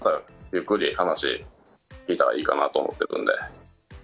ゆっくり話聞いたらいいかなと思っているので。